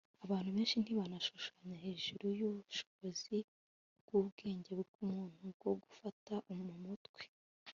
Abantu benshi ntibanashushanya hejuru yubushobozi bwubwenge bwa muntu bwo gufata mumutwe